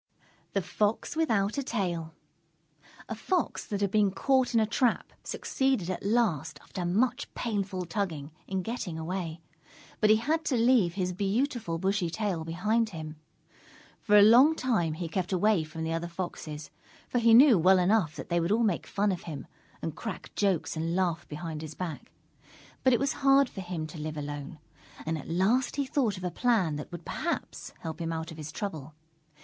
_ THE FOX WITHOUT A TAIL A Fox that had been caught in a trap, succeeded at last, after much painful tugging, in getting away. But he had to leave his beautiful bushy tail behind him. For a long time he kept away from the other Foxes, for he knew well enough that they would all make fun of him and crack jokes and laugh behind his back. But it was hard for him to live alone, and at last he thought of a plan that would perhaps help him out of his trouble.